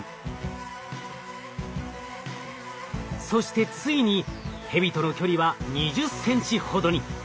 そしてついにヘビとの距離は２０ｃｍほどに。